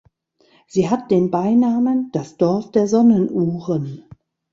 Sie hat den Beinamen „Das Dorf der Sonnenuhren“.